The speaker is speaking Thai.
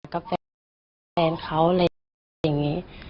กับแฟนเขาอะไรอย่างนี้